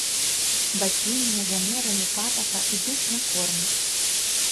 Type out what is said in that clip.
Бацвінне, жамерыны, патака ідуць на корм.